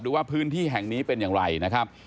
ว่าพื้นที่แห่งนี้เป็นอย่างไรนะครับ